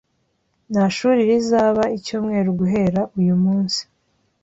Nta shuri rizaba icyumweru guhera uyu munsi